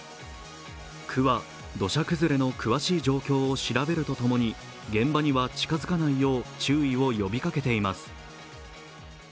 区は土砂崩れの詳しい状況を調べるとともに現場には近づかないよう注意を呼びかけています。